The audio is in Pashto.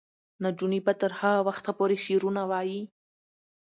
نجونې به تر هغه وخته پورې شعرونه وايي.